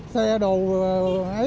xe đồ ấy đồ ấy